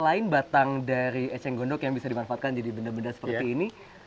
selain batang dari eceng gondok yang bisa dimanfaatkan jadi benda benda seperti ini